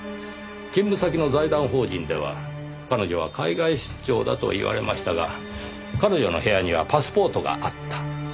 勤務先の財団法人では彼女は海外出張だと言われましたが彼女の部屋にはパスポートがあった。